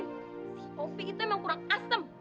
si opi itu emang kurang asem